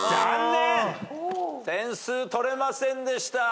点数取れませんでした。